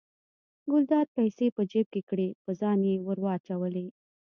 ګلداد پیسې په جب کې کړې په ځان یې ور واچولې.